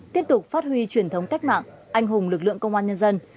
tiếp tục phát huy truyền thống cách mạng anh hùng lực lượng công an nhân dân